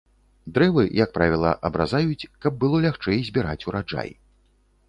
Дрэвы, як правіла, абразаюць, каб было лягчэй збіраць ураджай.